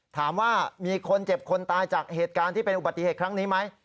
ถามว่ามีคนเจ็บคนตายจากเหตุการณ์ที่เป็นอุบัติเหตุครั้งนี้ไหม